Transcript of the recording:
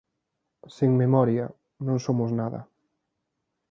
Sen memoria, non somos nada.